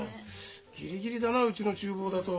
ギリギリだなうちの厨房だと。